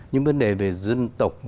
những vấn đề về dân tộc